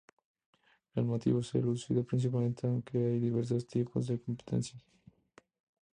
El motivo es lúdico principalmente, aunque hay diversos tipos de competencias.